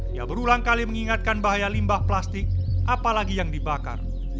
dia berulang kali mengingatkan bahaya limbah plastik apalagi yang dibakar